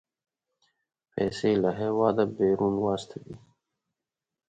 پيسې له هېواده بيرون واستوي.